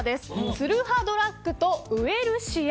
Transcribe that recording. ツルハドラッグとウエルシア。